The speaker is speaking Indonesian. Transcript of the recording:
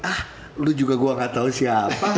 ah lu juga gue gak tau siapa